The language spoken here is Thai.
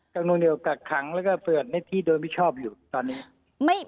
ตั้งโน่นเดียวกับทั้งแล้วก็เปิดในที่โดยผิดชอบอยู่ตอนนี้